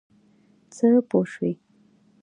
څه پوه شوې.